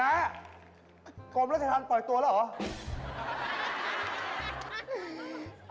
อ้าวณโกรมราชาธารปล่อยตัวแล้วเหรอ